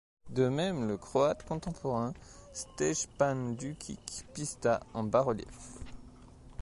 De même le Croate contemporain Stjepan Đukić Pišta, en bas-relief.